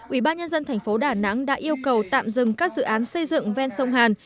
ubnd tp đà nẵng đã yêu cầu tạm dừng các dự án xây dựng ven sông hàn